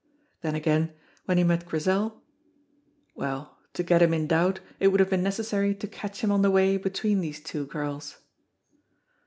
Then again, when he met Grizel well, to get him in doubt it would have been necessary to catch him on the way between these two girls.